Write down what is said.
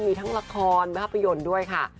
มีทั้งละครภาพยนตร์ด้วยค่ะ